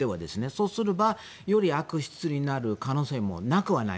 そうすれば、より悪質になる可能性もなくはない。